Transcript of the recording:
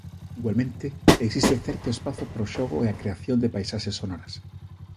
Igualmente, existe certo espazo para o xogo e a creación de paisaxes sonoras.